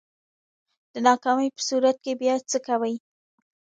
د ناکامۍ په صورت کی بیا څه کوئ؟